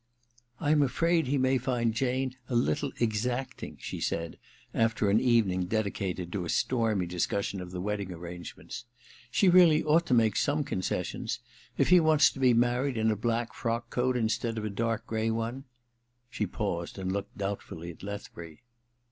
* I'm afraid he may find Jane a little exact ing/ she said, after an evening dedicated to a stormy discussion of the wedding arrangements. ' She really ought to make some concessions. If he wanfs to be married in a black frock coat instead of a dark gray one ^ She paused and looked doubtfully at Lethbury.